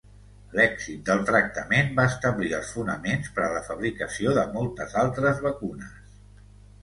L'èxit del tractament va establir els fonaments per a la fabricació de moltes altres vacunes.